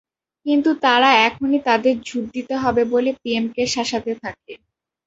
কিন্তু তারা এখনই তাদের ঝুট দিতে হবে বলে পিএমকে শাসাতে থাকে।